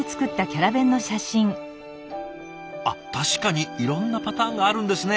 あっ確かにいろんなパターンがあるんですね。